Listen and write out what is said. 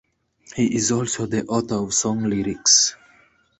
He is also the author of song lyrics.